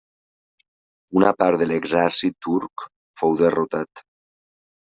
Una part de l'exèrcit turc fou derrotat.